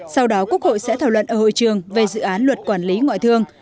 sau đó quốc hội sẽ thảo luận ở hội trường về dự án luật quản lý ngoại thương